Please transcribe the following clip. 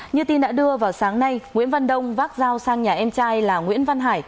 như tin đã đưa vào sáng nay nguyễn văn đông vác dao sang nhà em trai là nguyễn văn hải